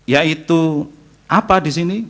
yaitu apa di sini